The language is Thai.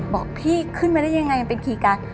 บอกพี่ขึ้นมาได้ยังไงมันเป็นคีย์การ์ด